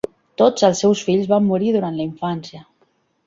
Tots els seus fills van morir durant la infància.